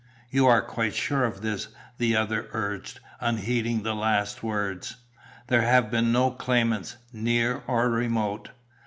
"You are quite sure of this?" the other urged, unheeding the last words. "There have been no claimants, near or remote?"